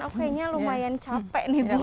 oke ini lumayan capek bu